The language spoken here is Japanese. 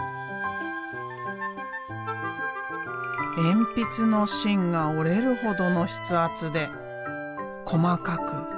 鉛筆の芯が折れるほどの筆圧で細かく美しく。